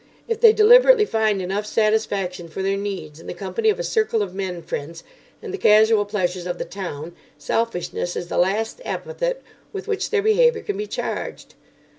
If they deliberately find enough satisfaction for their needs in the company of a circle of men friends and the casual pleasures of the town, selfishness is the last epithet with which their behaviour can be charged.